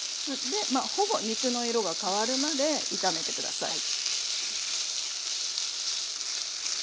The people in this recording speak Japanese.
でほぼ肉の色が変わるまで炒めて下さい。